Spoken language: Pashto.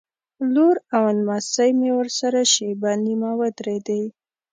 لور او نمسۍ مې ورسره شېبه نیمه ودرېدې.